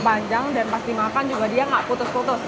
empanjang dan ketika dimakan juga kurang kukus